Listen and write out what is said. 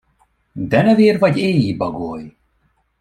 Denevér vagy éji bagoly?